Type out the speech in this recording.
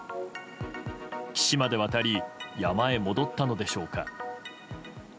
岸まで渡り山へ戻ったのでしょうか。